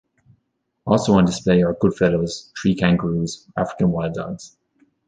Also on display are Goodfellow's tree-kangaroos, African wild dogs.